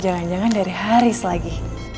jangan jangan dari haris lagi